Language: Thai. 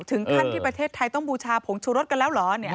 ถึงขั้นที่ประเทศไทยต้องบูชาผงชูรสกันแล้วเหรอ